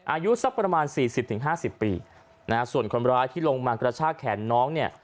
อายุสักประมาณ๔๐๕๐ปีส่วนคนร้ายที่ลงมากระชากแขนน้อง